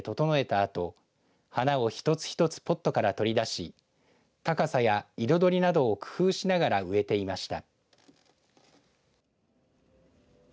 あと花を一つ一つポットから取り出し高さや彩りなどを工夫しながら植えていました。